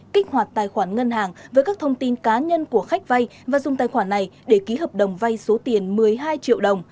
kích hoạt tài khoản ngân hàng với các thông tin cá nhân của khách vay và dùng tài khoản này để ký hợp đồng vay số tiền một mươi hai triệu đồng